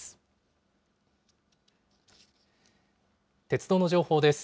鉄道の情報です。